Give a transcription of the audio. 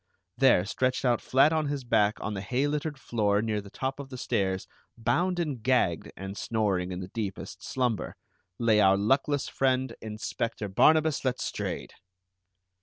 There, stretched out flat on his back on the hay littered floor near the top of the stairs, bound and gagged, and snoring in the deepest slumber, lay our luckless friend, Inspector Barnabas Letstrayed!